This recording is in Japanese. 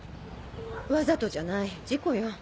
わざとじゃない事故よ。